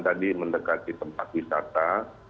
tadi mendekati tempat wisata